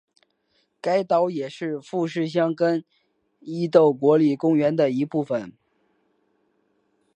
该岛也是富士箱根伊豆国立公园的一部分。